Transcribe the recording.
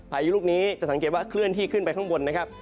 พายุลูกนี้จะสังเกตว่าเคลื่อนที่ขึ้นไปข้างบนนะครับ